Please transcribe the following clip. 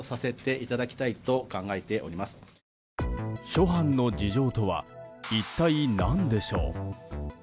諸般の事情とは一体、何でしょう。